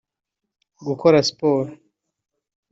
gukora siporo